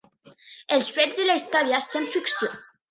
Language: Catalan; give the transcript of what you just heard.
Els fets de la història són ficció.